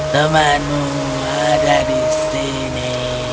temanmu ada di sini